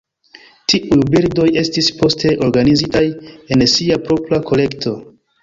Tiuj bildoj estis poste organizitaj en sia propra kolekto.